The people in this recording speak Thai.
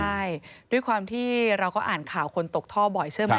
ใช่ด้วยความที่เราก็อ่านข่าวคนตกท่อบ่อยเชื่อไหม